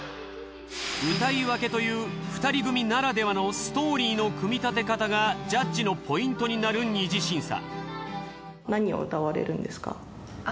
歌いわけという二人組ならではのストーリーの組み立て方がジャッジのポイントになる二次審査。